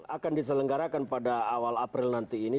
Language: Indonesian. akan diselenggarakan pada awal april nanti ini